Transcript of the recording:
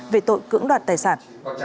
về tội cưỡng đoạt tài sản